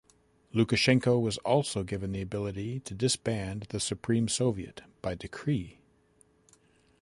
Lukashenko was also given the ability to disband the Supreme Soviet by decree.